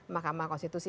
makamah konstitusi ini ya